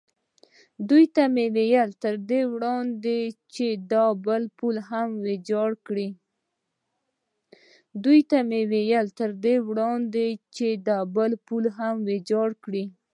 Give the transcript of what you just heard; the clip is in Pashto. دوی ته مې وویل: تر دې وړاندې چې دا پل هم ویجاړ کړي.